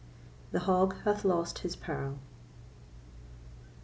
The Hog hath lost his Pearl.